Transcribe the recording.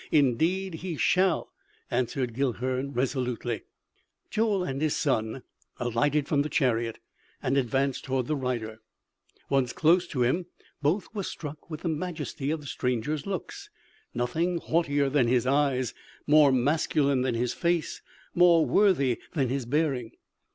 Indeed, he shall!" answered Guilhern resolutely. Joel and his son alighted from the chariot, and advanced towards the rider. Once close to him, both were struck with the majesty of the stranger's looks. Nothing haughtier than his eyes, more masculine than his face, more worthy than his bearing.